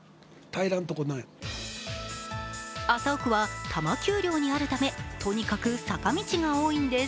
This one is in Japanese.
麻生区は多摩丘陵にあるためとにかく坂道が多いんです。